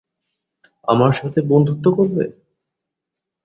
আমার সাথে বন্ধুত্ব করবে?